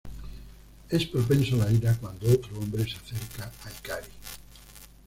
Es propenso a la ira cuando otro hombre se acerca a Hikari.